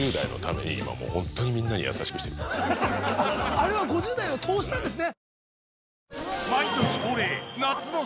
あれは５０代への投資なんですね？